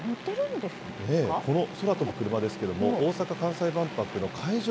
この空飛ぶクルマですけれども、大阪・関西万博の会場